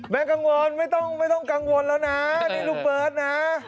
กังวลไม่ต้องกังวลแล้วนะนี่ลูกเบิร์ตนะ